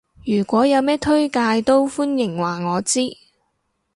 如果有咩推介都歡迎話我知